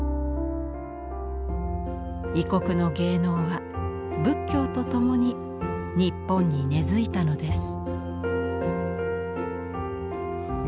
異国の芸能は仏教とともに日本に根づいたのです。